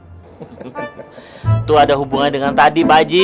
itu ada hubungan dengan tadi pak haji